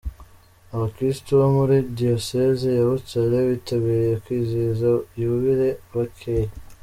Abakirisitu bo muri Diyoseze ya Butare bitabiriye kwizihiza yubile bakeye.